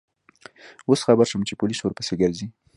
اوس خبر شوم چې پولیس ورپسې گرځي.